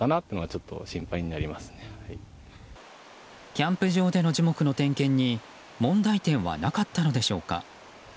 キャンプ場での樹木の点検に問題点はなかったのでしょうか。